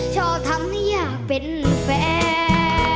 ชอบทำให้อยากเป็นแฟน